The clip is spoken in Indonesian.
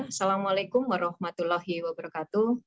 assalamualaikum warahmatullahi wabarakatuh